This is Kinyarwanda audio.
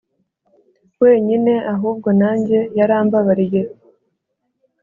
wenyine ahubwo nanjye yarambabariye